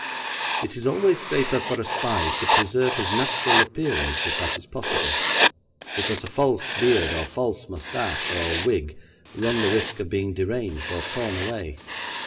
It is always safer for a spy to preserve his natural appearance if that is possible, because a false beard or false moustache or wig run the risk of being deranged or torn away.